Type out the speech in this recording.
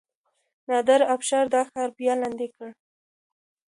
نادر افشار دا ښار بیا لاندې کړ.